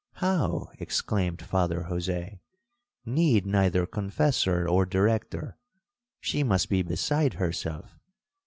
'—'How!' exclaimed Father Jose, 'need neither confessor or director!—she must be beside herself.'